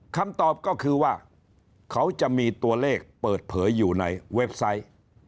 คำตอบก็คือว่าเขาจะมีตัวเลขเปิดเผยอยู่ในเว็บไซต์